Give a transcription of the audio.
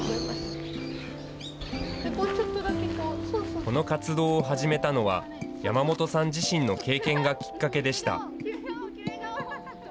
この活動を始めたのは、山本さん自身の経験がきっかけでした。